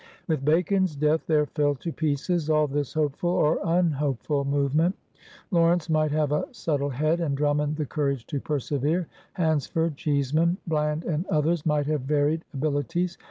With Bacon's death there fell to pieces all this hopeful or unhopeful movement. Lawrence might have a subtle head and Dnunmond the courage to persevere; Hansford, Cheeseman, Bland, and others might have varied abilities.